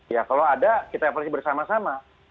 ya kalau ada kita evaluasi bersama sama